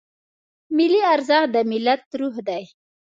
ملي ارزښت د ملت روح دی.